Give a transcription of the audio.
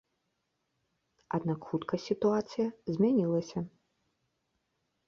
Аднак хутка сітуацыя змянілася.